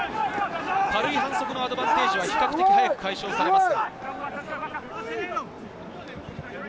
軽い反則のアドバンテージは比較的早く解消されます。